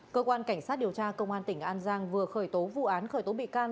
cơ quan cảnh sát điều tra công an tỉnh an giang vừa khởi tố vụ án khởi tố bị can